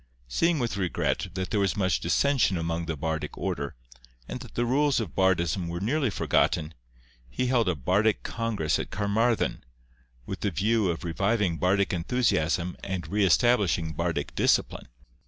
Seeing with regret that there was much dissension amongst the bardic order, and that the rules of bardism were nearly forgotten, he held a bardic congress at Carmarthen, with the view of reviving bardic enthusiasm and re establishing bardic discipline.